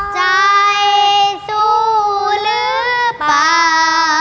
ใจสู้หรือเปล่า